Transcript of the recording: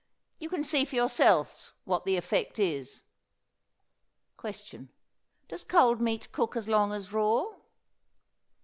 You can see for yourselves what the effect is. Question. Does cold meat cook as long as raw?